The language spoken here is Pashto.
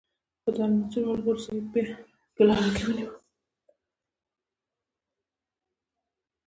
خو د المنصور ملګرو سید بیا په لاره کې ونیو.